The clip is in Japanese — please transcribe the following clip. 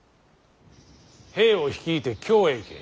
兵を率いて京へ行け。